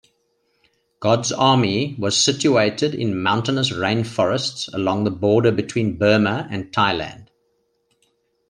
God's Army was situated in mountainous rainforests along the border between Burma and Thailand.